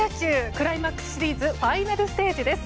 クライマックスシリーズファイナルステージです。